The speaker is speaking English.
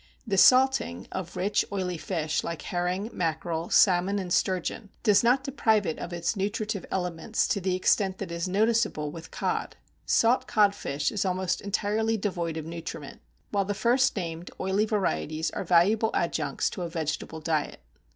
The salting of rich, oily fish like herring, mackerel, salmon, and sturgeon, does not deprive it of its nutritive elements to the extent that is noticeable with cod; salt cod fish is almost entirely devoid of nutriment, while the first named oily varieties are valuable adjuncts to a vegetable diet.